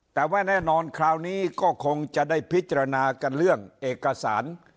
แต่ว่าแน่นอนคราวนี้ก็คงจะได้พิจารณากันเรื่องเอกสาร